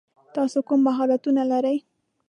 تاسو کوم مهارتونه لری ؟